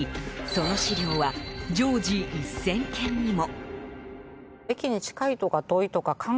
その資料は常時１０００件にも。